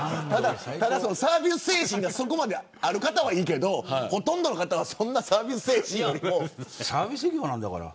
サービス精神がそこまである方はいいけどほとんどの方はそんなサービス精神よりも。